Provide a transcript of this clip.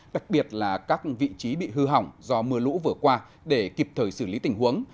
đặc biệt là các vị trí bị hư hỏng do mưa lũ vừa qua để kịp thời xử lý tình huống